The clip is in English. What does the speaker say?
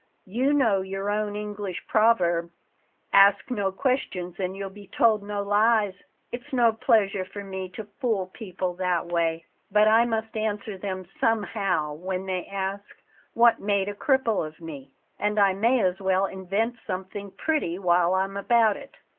You know your own English proverb: 'Ask no questions and you'll be told no lies.' It's no pleasure to me to fool people that way, but I must answer them somehow when they ask what made a cripple of me; and I may as well invent something pretty while I'm about it.